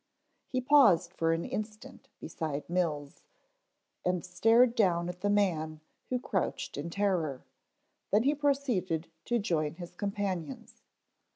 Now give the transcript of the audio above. He paused for an instant beside Mills, and stared down at the man who crouched in terror, then he proceeded to join his companions.